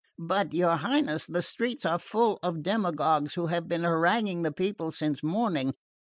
"But, your Highness, the streets are full of demagogues who have been haranguing the people since morning.